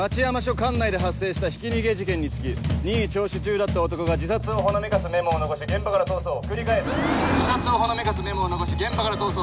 管内で発生したひき逃げ事件につき任意聴取中だった男が自殺をほのめかすメモを残し現場から逃走繰り返す自殺をほのめかすメモを残し現場から逃走。